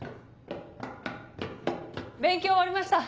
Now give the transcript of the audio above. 勉強終わりました。